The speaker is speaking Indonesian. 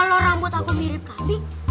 kalau rambut aku mirip kambing